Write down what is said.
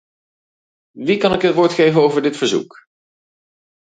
Wie kan ik het woord geven over dit verzoek?